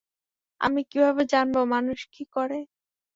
আমি কীভাবে জানবো মানুষ কী করে?